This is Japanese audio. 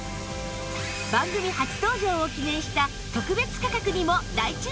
番組初登場を記念した特別価格にも大注目です！